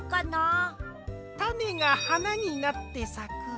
たねがはなになってさく。